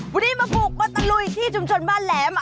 วันนี้มาบลูกมาตารุยในชุมชนบ้านแหลม